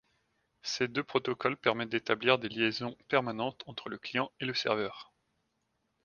Ces deux protocoles permettent d'établir des liaisons permanentes entre le client et le serveur.